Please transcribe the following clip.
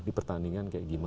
di pertandingan kayak gimana